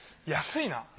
安いな。